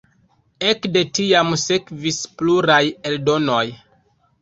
Ekde tiam sekvis pluraj eldonoj.